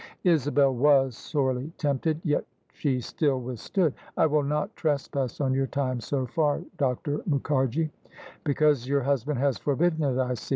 " Isabel was sorely tempted, yet she still withstood. "I will not trespass on your time so far, Dr. Mukharji." " Because your husband has forbidden it, I see.